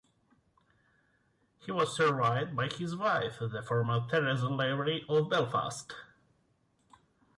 He was survived by his wife, the former Teresa Lavery of Belfast.